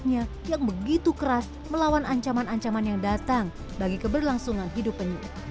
dan kemampuan hidupnya yang begitu keras melawan ancaman ancaman yang datang bagi keberlangsungan hidup penyu